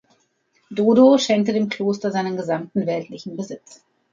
Dodo schenkte dem Kloster seinen gesamten weltlichen Besitz.